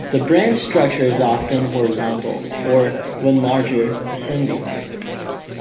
The branch structure is often horizontal or, when larger, ascending.